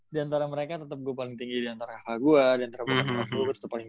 diantara mereka gue paling tinggi diantara kakak gue diantara bokap gue gue setep paling